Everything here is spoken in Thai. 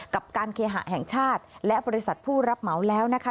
กับการเคหะแห่งชาติและบริษัทผู้รับเหมาแล้วนะคะ